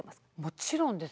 もちろんです。